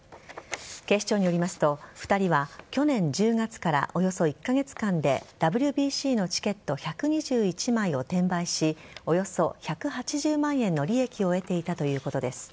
警視庁によりますと、２人は去年１０月からおよそ１カ月間でＷＢＣのチケット１２１枚を転売しおよそ１８０万円の利益を得ていたということです。